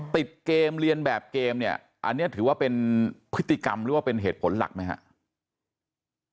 ติดเกมเรียนแบบเกมเนี่ยอันนี้ถือว่าเป็นพฤติกรรมหรือว่าเป็นเหตุผลหลักไหมครับ